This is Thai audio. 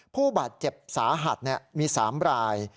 ผู้บาดเจ็บสาหัสมี๓ราย